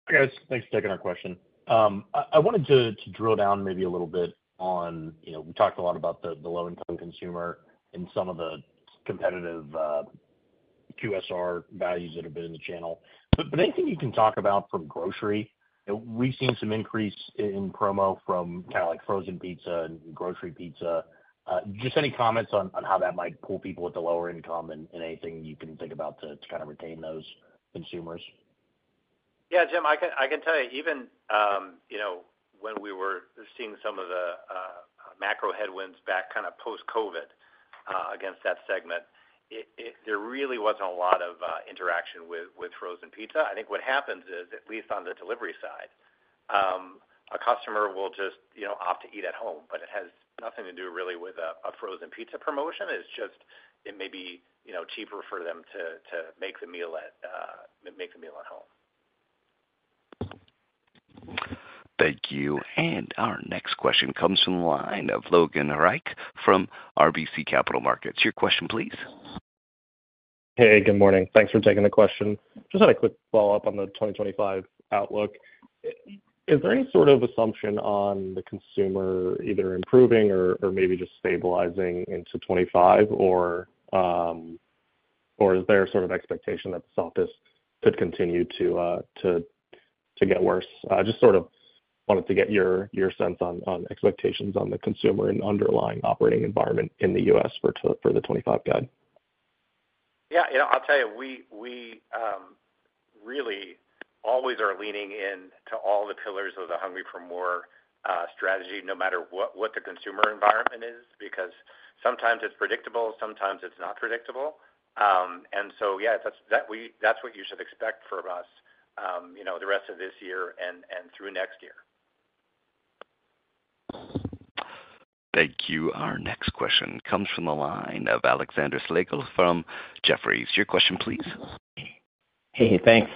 Hi, guys. Thanks for taking our question. I wanted to drill down maybe a little bit on, you know, we talked a lot about the low-income consumer and some of the competitive QSR values that have been in the channel. But anything you can talk about from grocery? We've seen some increase in promo from kind of like frozen pizza and grocery pizza. Just any comments on how that might pull people with a lower income and anything you can think about to kind of retain those consumers? Yeah, Jim, I can tell you even, you know, when we were seeing some of the macro headwinds back kind of post-COVID against that segment, there really wasn't a lot of interaction with frozen pizza. I think what happens is, at least on the delivery side, a customer will just, you know, opt to eat at home, but it has nothing to do really with a frozen pizza promotion. It's just it may be, you know, cheaper for them to make the meal at home. Thank you. And our next question comes from the line of Logan Reich from RBC Capital Markets. Your question, please. Hey, good morning. Thanks for taking the question. Just had a quick follow-up on the 2025 outlook. Is there any sort of assumption on the consumer either improving or, or maybe just stabilizing into 2025, or, or is there a sort of expectation that this could continue to get worse? Just sort of wanted to get your sense on expectations on the consumer and underlying operating environment in the U.S. for the 2025 guide. Yeah, you know, I'll tell you, we really always are leaning in to all the pillars of the Hungry for MORE strategy, no matter what the consumer environment is, because sometimes it's predictable, sometimes it's not predictable. And so, yeah, that's what you should expect from us, you know, the rest of this year and through next year. Thank you. Our next question comes from the line of Alexander Slagle from Jefferies. Your question, please. Hey, thanks.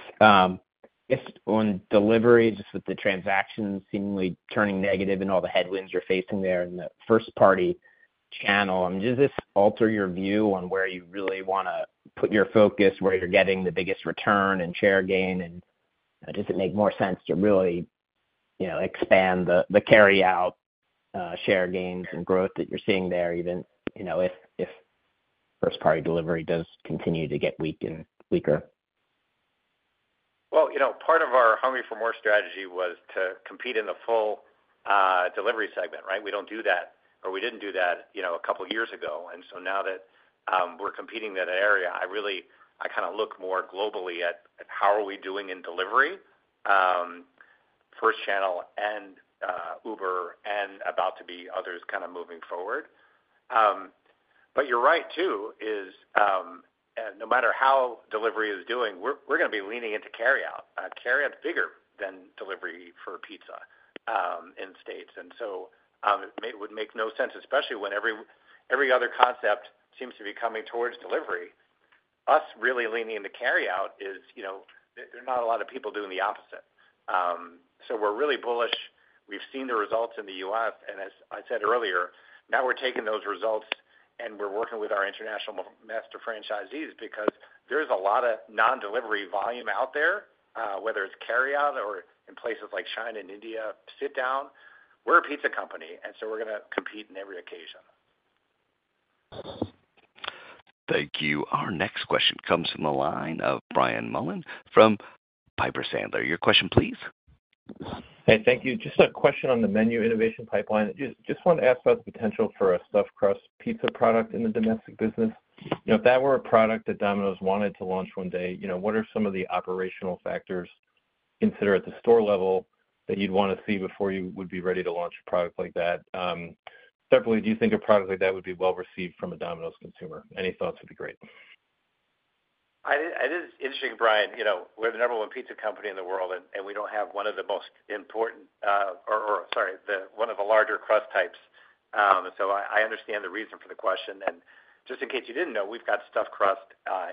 Just on delivery, just with the transaction seemingly turning negative and all the headwinds you're facing there in the first-party channel, does this alter your view on where you really want to put your focus, where you're getting the biggest return and share gain? And, does it make more sense to really, you know, expand the carryout share gains and growth that you're seeing there, even, you know, if first-party delivery does continue to get weak and weaker? You know, part of our Hungry for MORE strategy was to compete in the full delivery segment, right? We don't do that, or we didn't do that, you know, a couple of years ago. And so now that we're competing in that area, I really kind of look more globally at how are we doing in delivery first channel and Uber and about to be others kind of moving forward. But you're right, too, is no matter how delivery is doing, we're gonna be leaning into carryout. Carryout is bigger than delivery for pizza in States. And so it would make no sense, especially when every other concept seems to be coming towards delivery. Our really leaning into carryout is, you know, there are not a lot of people doing the opposite. So we're really bullish. We've seen the results in the U.S., and as I said earlier, now we're taking those results, and we're working with our international master franchisees because there is a lot of non-delivery volume out there, whether it's carryout or in places like China and India, sit down. We're a pizza company, and so we're gonna compete in every occasion. Thank you. Our next question comes from the line of Brian Mullan from Piper Sandler. Your question, please. Hey, thank you. Just a question on the menu innovation pipeline. Just wanted to ask about the potential for a stuffed crust pizza product in the domestic business. You know, if that were a product that Domino's wanted to launch one day, you know, what are some of the operational factors to consider at the store level that you'd want to see before you would be ready to launch a product like that? Separately, do you think a product like that would be well received from a Domino's consumer? Any thoughts would be great. It is interesting, Brian. You know, we're the number one pizza company in the world, and we don't have one of the most important, or sorry, the one of the larger crust types. So I understand the reason for the question, and just in case you didn't know, we've got stuffed crust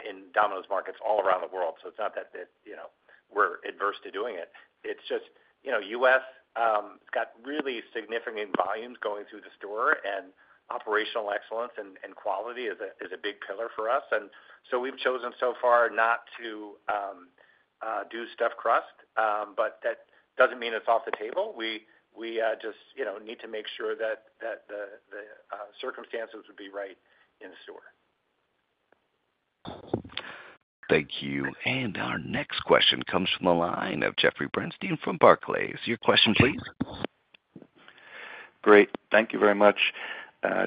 in Domino's markets all around the world. So it's not that, you know, we're adverse to doing it. It's just, you know, the U.S. has got really significant volumes going through the store, and operational excellence and quality is a big pillar for us. And so we've chosen so far not to do stuffed crust, but that doesn't mean it's off the table. We just, you know, need to make sure that the circumstances would be right in store. Thank you. And our next question comes from the line of Jeffrey Bernstein from Barclays. Your question, please. Great. Thank you very much.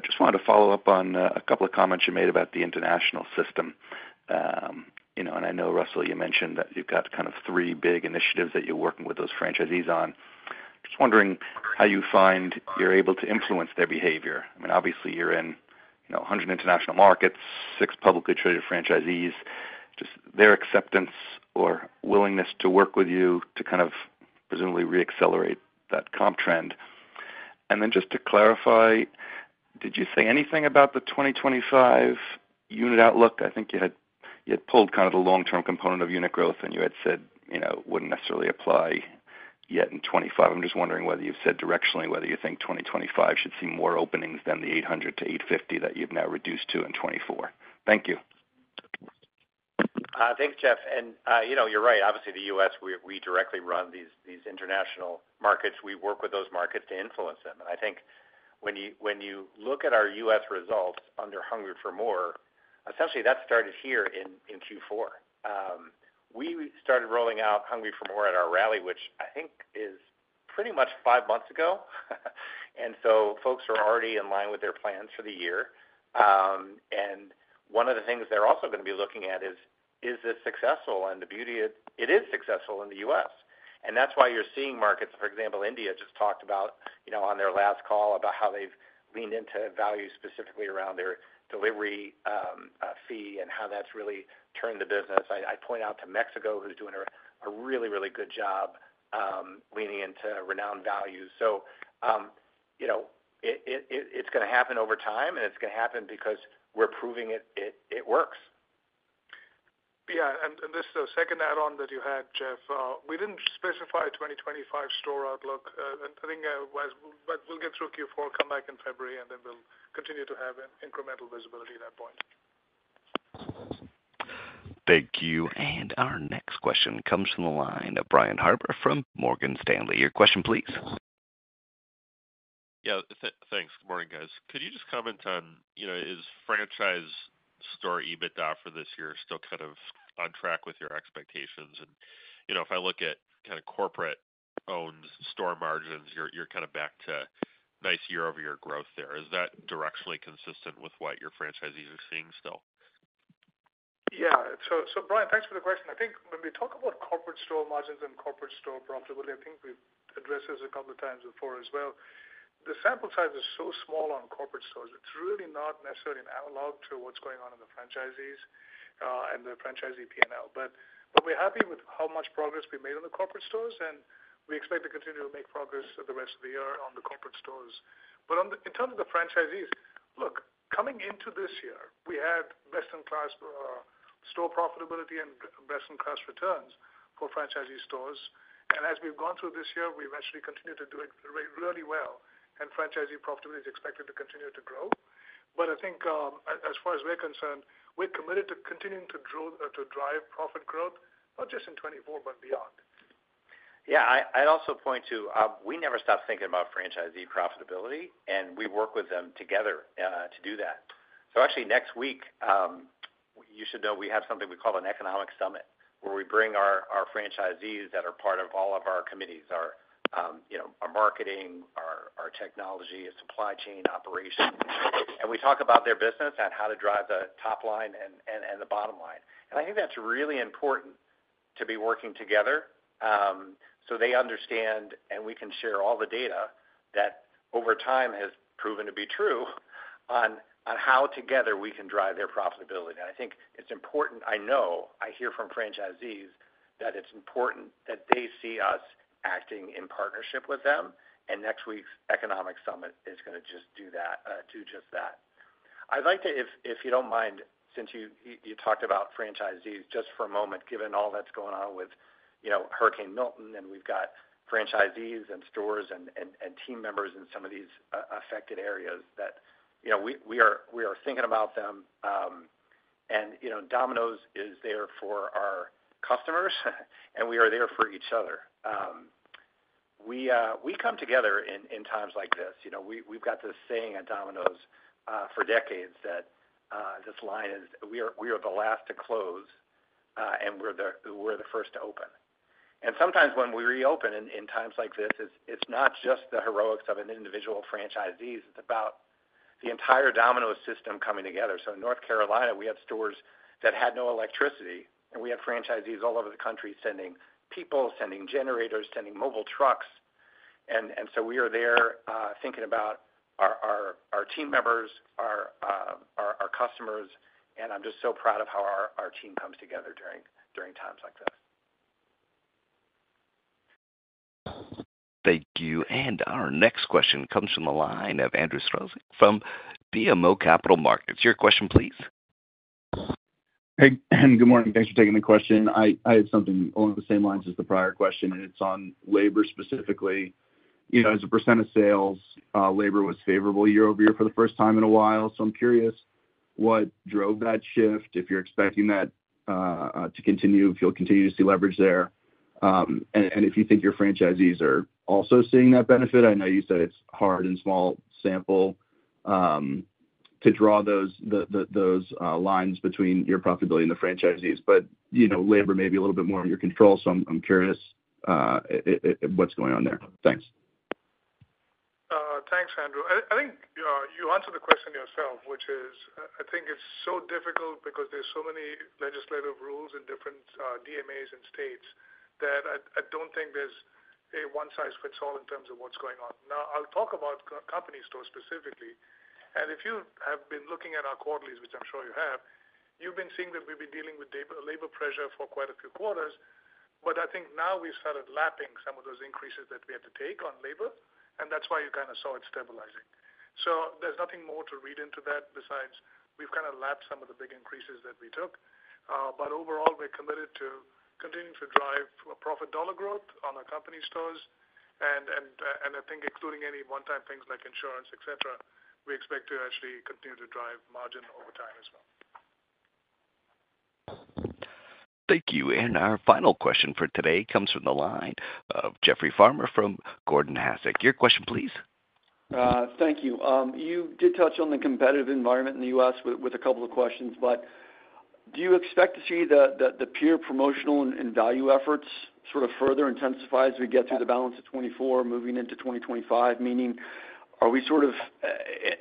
Just wanted to follow up on a couple of comments you made about the international system. You know, and I know, Russell, you mentioned that you've got kind of three big initiatives that you're working with those franchisees on. Just wondering how you find you're able to influence their behavior. I mean, obviously, you're in, you know, a hundred international markets, six publicly traded franchisees, just their acceptance or willingness to work with you to kind of presumably reaccelerate that comp trend. And then just to clarify, did you say anything about the 2025 unit outlook? I think you had pulled kind of the long-term component of unit growth, and you had said, you know, it wouldn't necessarily apply yet in 2025. I'm just wondering whether you've said directionally whether you think 2025 should see more openings than the 800-850 that you've now reduced to in 2024. Thank you. Thanks, Jeff. And, you know, you're right. Obviously, the U.S., we directly run these international markets. We work with those markets to influence them. And I think when you look at our U.S. results under Hungry for MORE, essentially, that started here in Q4. We started rolling out Hungry for MORE at our rally, which I think is pretty much five months ago. And so folks are already in line with their plans for the year. And one of the things they're also gonna be looking at is this successful? And the beauty is, it is successful in the U.S. And that's why you're seeing markets, for example, India just talked about, you know, on their last call, about how they've leaned into value, specifically around their delivery fee and how that's really turned the business. I point out to Mexico, who's doing a really, really good job, leaning into Renowned Value. So, you know, it's gonna happen over time, and it's gonna happen because we're proving it works. Yeah, and just the second add-on that you had, Jeff, we didn't specify a 2025 store outlook. I think, but we'll get through Q4, come back in February, and then we'll continue to have an incremental visibility at that point. Thank you. And our next question comes from the line of Brian Harbour from Morgan Stanley. Your question, please. Yeah, thanks. Good morning, guys. Could you just comment on, you know, is franchise store EBITDA for this year still kind of on track with your expectations? And, you know, if I look at kind of corporate-owned store margins, you're kind of back to nice year-over-year growth there. Is that directionally consistent with what your franchisees are seeing still? Yeah. So Brian, thanks for the question. I think when we talk about corporate store margins and corporate store profitability, I think we've addressed this a couple of times before as well. The sample size is so small on corporate stores. It's really not necessarily an analog to what's going on in the franchisees, and the franchisee P&L. But we're happy with how much progress we made on the corporate stores, and we expect to continue to make progress for the rest of the year on the corporate stores. But in terms of the franchisees, look, coming into this year, we had best-in-class store profitability and best-in-class returns for franchisee stores. And as we've gone through this year, we've actually continued to do it really well, and franchisee profitability is expected to continue to grow. But I think, as far as we're concerned, we're committed to continuing to drive profit growth, not just in 2024, but beyond. Yeah, I'd also point to, we never stop thinking about franchisee profitability, and we work with them together to do that. So actually, next week, you should know we have something we call an Economic Summit, where we bring our franchisees that are part of all of our committees, our, you know, our marketing, our technology, supply chain operations. And we talk about their business and how to drive the top line and the bottom line. And I think that's really important to be working together, so they understand, and we can share all the data that over time has proven to be true on how together we can drive their profitability. And I think it's important. I know, I hear from franchisees, that it's important that they see us acting in partnership with them, and next week's Economic Summit is gonna just do that, do just that. I'd like to, if you don't mind, since you talked about franchisees, just for a moment, given all that's going on with, you know, Hurricane Milton, and we've got franchisees and stores and team members in some of these affected areas, that, you know, we are thinking about them. And, you know, Domino's is there for our customers, and we are there for each other, we come together in times like this. You know, we, we've got this saying at Domino's for decades, that this line is, "We are, we are the last to close, and we're the, we're the first to open." And sometimes when we reopen in times like this, it's not just the heroics of an individual franchisees, it's about the entire Domino's system coming together. So in North Carolina, we had stores that had no electricity, and we had franchisees all over the country sending people, sending generators, sending mobile trucks. And so we are there, thinking about our team members, our customers, and I'm just so proud of how our team comes together during times like this. Thank you. And our next question comes from the line of Andrew Strelzik from BMO Capital Markets. Your question, please. Hey, good morning. Thanks for taking the question. I had something along the same lines as the prior question, and it's on labor specifically. You know, as percent of sales, labor was favorable year-over-year for the first time in a while. So I'm curious what drove that shift, if you're expecting that to continue, if you'll continue to see leverage there, and if you think your franchisees are also seeing that benefit. I know you said it's hard and small sample to draw those lines between your profitability and the franchisees, but you know, labor may be a little bit more under your control, so I'm curious what's going on there? Thanks. Thanks, Andrew. I think you answered the question yourself, which is, I think it's so difficult because there's so many legislative rules in different DMAs and States, that I don't think there's a one size fits all in terms of what's going on. Now, I'll talk about company stores specifically. If you have been looking at our quarterlies, which I'm sure you have, you've been seeing that we've been dealing with labor pressure for quite a few quarters, but I think now we've started lapping some of those increases that we had to take on labor, and that's why you kind of saw it stabilizing. So there's nothing more to read into that, besides we've kind of lapped some of the big increases that we took. But overall, we're committed to continuing to drive a profit dollar growth on our company stores, and I think, including any one-time things like insurance, et cetera, we expect to actually continue to drive margin over time as well. Thank you. Our final question for today comes from the line of Jeffrey Farmer from Gordon Haskett. Your question, please. Thank you. You did touch on the competitive environment in the U.S. with a couple of questions, but do you expect to see the peer promotional and value efforts sort of further intensify as we get through the balance of 2024, moving into 2025? Meaning, are we sort of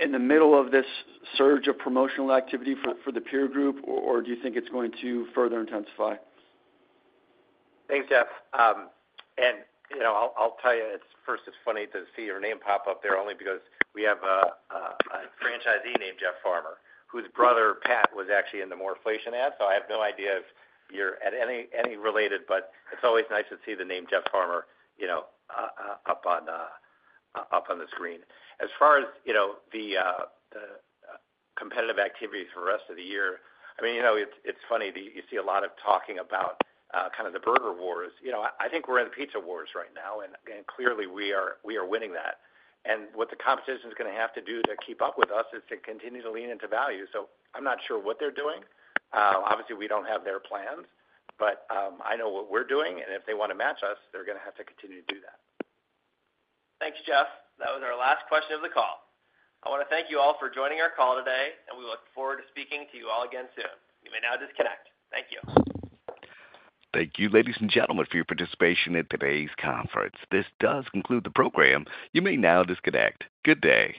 in the middle of this surge of promotional activity for the peer group, or do you think it's going to further intensify? Thanks, Jeff. And you know, I'll tell you, it's first, it's funny to see your name pop up there only because we have a franchisee named Jeff Farmer, whose brother Pat was actually in the MOREflation ad. So I have no idea if you're at any related, but it's always nice to see the name Jeff Farmer, you know, up on the screen. As far as you know, the competitive activity for the rest of the year, I mean, you know, it's funny, you see a lot of talking about kind of the burger wars. You know, I think we're in the pizza wars right now, and clearly, we are winning that. And what the competition is gonna have to do to keep up with us, is to continue to lean into value. So I'm not sure what they're doing. Obviously, we don't have their plans, but I know what we're doing, and if they wanna match us, they're gonna have to continue to do that. Thanks, Jeff. That was our last question of the call. I wanna thank you all for joining our call today, and we look forward to speaking to you all again soon. You may now disconnect. Thank you. Thank you, ladies and gentlemen, for your participation in today's conference. This does conclude the program. You may now disconnect. Good day!